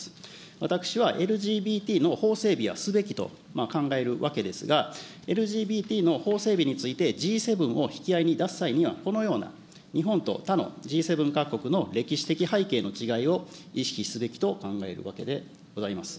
私はＬＧＢＴの法整備はすべきと考えるわけですが、ＬＧＢＴの法整備について、Ｇ７を引き合いに出す際には、このような日本と他のＧ７各国の歴史的背景の違いを意識すべきと考えるわけでございます。